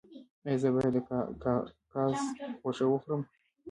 ایا زه باید د قاز غوښه وخورم؟